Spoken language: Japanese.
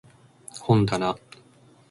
本だな